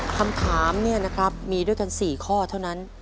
คำถามเนี่ยนะครับมีด้วยกัน๔ข้อเท่านั้น